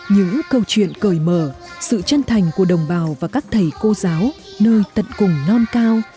những câu chuyện cởi mở sự chân thành của đồng bào và các thầy cô giáo nơi tận cùng non cao